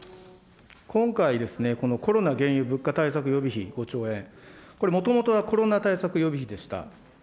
今回、このコロナ・原油・物価対策予備費５兆円、これ、もともとはコロナ対策予備費でした。